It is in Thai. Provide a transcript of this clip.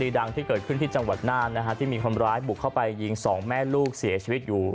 ดังที่เกิดขึ้นที่จังหวัดน่านนะฮะที่มีคนร้ายบุกเข้าไปยิงสองแม่ลูกเสียชีวิตอยู่